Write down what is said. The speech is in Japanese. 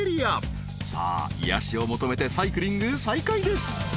［さあ癒やしを求めてサイクリング再開です］